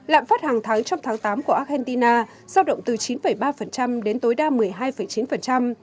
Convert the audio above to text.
lạm phát hàng tháng trong tháng tám của argentina giao động từ chín ba đến tối đa một mươi hai chín